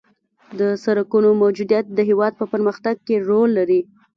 د سرکونو موجودیت د هېواد په پرمختګ کې رول لري